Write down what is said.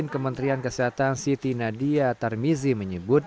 kementerian kesehatan siti nadia tarmizi menyebut